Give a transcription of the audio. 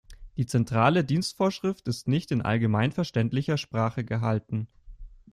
Die Zentrale Dienstvorschrift ist nicht in allgemeinverständlicher Sprache gehalten.